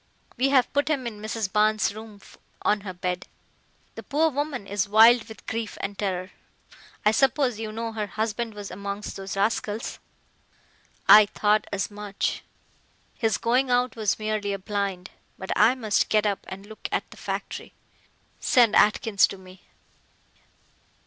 We have put him in Mrs. Barnes' room on her bed. The poor woman is wild with grief and terror. I suppose you know her husband was amongst those rascals." "I thought as much. His going out was merely a blind. But I must get up and look at the factory. Send Atkins to me."